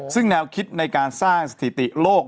ซึ่งแนวคิดในการสร้างสถิติโลก